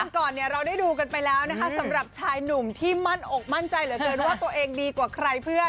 ก่อนเนี่ยเราได้ดูกันไปแล้วนะคะสำหรับชายหนุ่มที่มั่นอกมั่นใจเหลือเกินว่าตัวเองดีกว่าใครเพื่อน